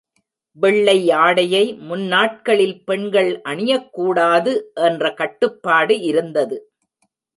வெள்ளை ஆடையை முன்னாட்களில் பெண்கள் அணியக்கூடாது என்ற கட்டுப்பாடு இருந்தது.